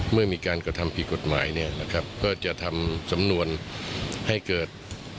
เมื่อมีการกระทำผิดกฎหมายเนี่ยนะครับก็จะทำสำนวนให้เกิด